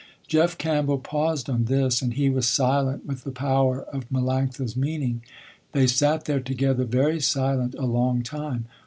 Jeff Campbell paused on this, and he was silent with the power of Melanctha's meaning. They sat there together very silent, a long time.